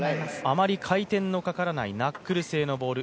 あまり回転のかからないナックル性のボール。